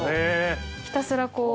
ひたすらこう。